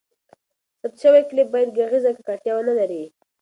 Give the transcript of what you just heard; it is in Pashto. ثبت شوی کلیپ باید ږغیزه ککړتیا ونه لري.